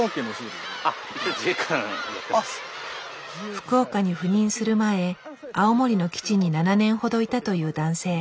福岡に赴任する前青森の基地に７年ほどいたという男性。